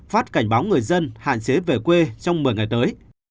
phát cảnh báo người dân hạn chế về quê trong một mươi ngày tới